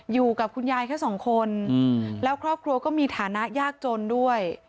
อยู่กับคุณยายแค่สองคนแล้วครอบครัวก็มีฐานะยากจนด้วย